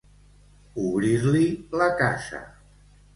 Obrir-li la casa.